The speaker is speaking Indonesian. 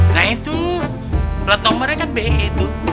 nah itu plat nomornya kan be itu